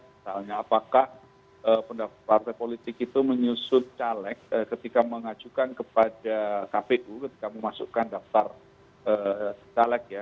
misalnya apakah partai politik itu menyusun caleg ketika mengajukan kepada kpu ketika memasukkan daftar caleg ya